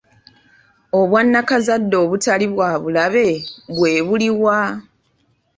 Obwannakazadde obutali bwa bulabe bwe buliwa?